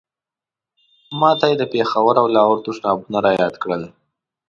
ما ته یې د پېښور او لاهور تشنابونه را یاد کړل.